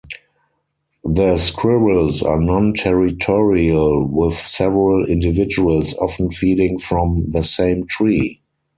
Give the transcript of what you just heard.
The squirrels are non-territorial, with several individuals often feeding from the same tree.